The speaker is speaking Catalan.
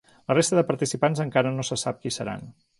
La resta de participants encara no se sap qui seran.